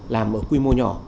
làm ở quy mô nhỏ